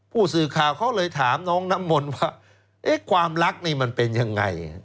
ผู้สื่อข่าวเขาเลยถามน้องน้ำมนต์ว่าความรักนี่มันเป็นยังไง